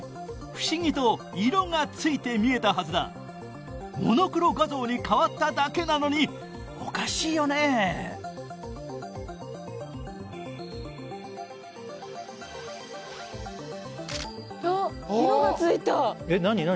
不思議と色が付いて見えたはずだモノクロ画像に変わっただけなのにおかしいよねあっ色が付いたえっ何何？